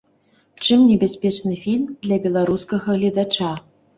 Чым небяспечны фільм для беларускага гледача?